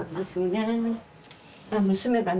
あ娘がね